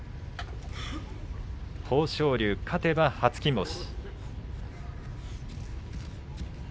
豊昇龍、勝てば初金星。